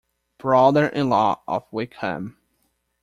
Brother-in-law of Wickham!